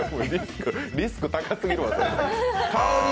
リスク高すぎるわ、それ。